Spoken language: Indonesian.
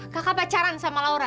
kakak pacaran sama laura